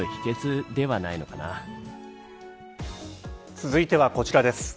続いてはこちらです。